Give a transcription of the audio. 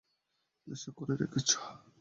নেশা করে রেখেছ?